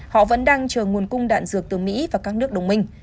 họ vẫn đang chờ nguồn cung đạn dược từ mỹ và các nước đồng minh